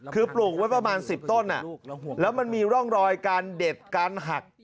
คือปลูกไว้ประมาณ๑๐ต้นแล้วมันมีร่องรอยการเด็ดการหัก